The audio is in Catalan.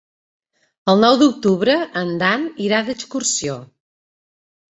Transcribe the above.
El nou d'octubre en Dan irà d'excursió.